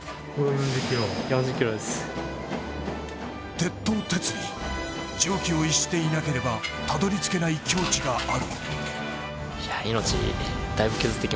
徹頭徹尾、常軌を逸していなければたどり着けない境地がある。